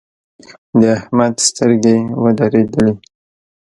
د احمد سترګې ودرېدلې.